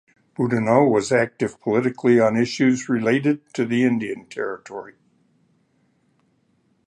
Boudinot was active politically on issues related to the Indian Territory.